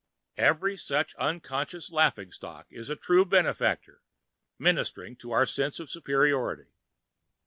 Every such unconscious laughing stock is a true benefactor, ministering to our sense of superiority.